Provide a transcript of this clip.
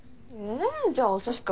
えじゃあお寿司か